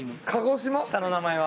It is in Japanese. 下の名前は？